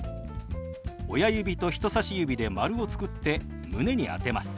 親指と人さし指で丸を作って胸に当てます。